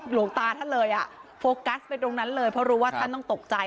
หลวงตาท่านเลยอ่ะโฟกัสไปตรงนั้นเลยเพราะรู้ว่าท่านต้องตกใจ